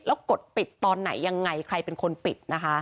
แล้วกดปิดตอนไหนยังไงใครเป็นคนปิดนะคะ